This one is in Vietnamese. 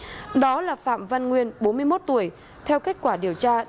đó là phạm văn nguyên bốn mươi một tuổi theo kết quả điều tra